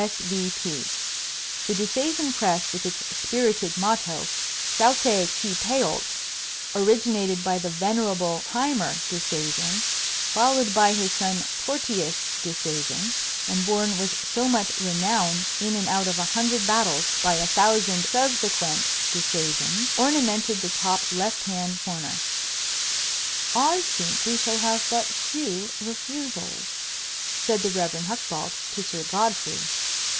S. V. P." The Disseisin crest with its spirited motto, "Saute qui peult," originated by the venerable Primer Disseisin, followed by his son Tortious Disseisin, and borne with so much renown in and out of a hundred battles by a thousand subsequent Disseisins, ornamented the top left hand corner. "I think we shall have but few refusals," said the Rev. Hucbald to Sir Godfrey.